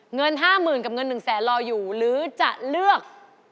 เงิน๕๐๐๐กับเงิน๑แสนรออยู่หรือจะเลือก